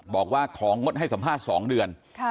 บอกว่าของงดให้สัมภาษณ์๒เดือน